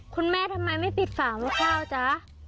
คุณแม่ทำไมไม่ปิดฝาเมาะข้าวจ๊ะ